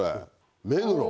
目黒。